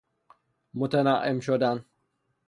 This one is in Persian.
متنعم شدن